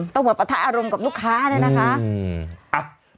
ต้องผ่วมประทะอารมณ์กับลูกค้าได้นะคะ